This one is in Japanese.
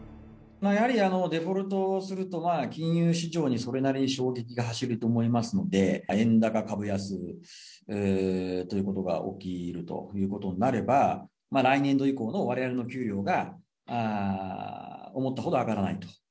やはりデフォルトすると、金融市場にそれなりに衝撃が走ると思いますので、円高株安ということが起きるということになれば、来年度以降のわれわれの給料が思ったほど上がらないと。